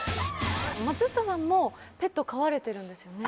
松下さんもペット飼われてるんですよね？